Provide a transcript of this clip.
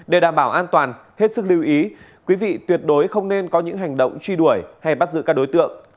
để đảm bảo an toàn hết sức lưu ý quý vị tuyệt đối không nên có những hành động truy đuổi hay bắt giữ các đối tượng